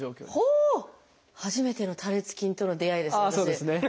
初めての多裂筋との出会いです私。